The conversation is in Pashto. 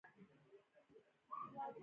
آیا کاناډا د سمندري خوړو صادرات نلري؟